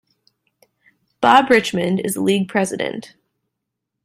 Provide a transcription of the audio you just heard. Bob Richmond is the league president.